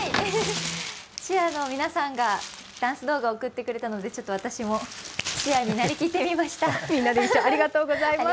チアの皆さんがダンス動画を送ってくれたのでちょっと私もチアになりきってみました。